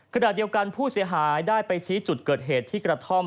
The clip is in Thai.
ขณะเดียวกันผู้เสียหายได้ไปชี้จุดเกิดเหตุที่กระท่อม